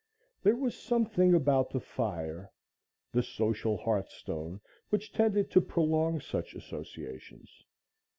There was something about the fire the social hearthstone which tended to prolong such associations.